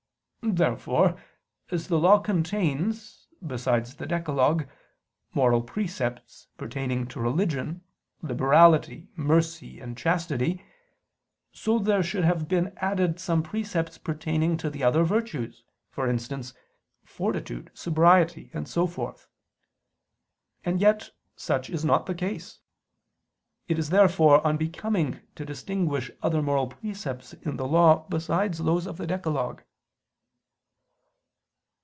Therefore, as the Law contains, besides the decalogue, moral precepts pertaining to religion, liberality, mercy, and chastity; so there should have been added some precepts pertaining to the other virtues, for instance, fortitude, sobriety, and so forth. And yet such is not the case. It is therefore unbecoming to distinguish other moral precepts in the Law besides those of the decalogue.